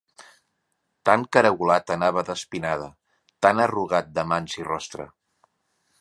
Tan caragolat anava d'espinada, tan arrugat de mans i rostre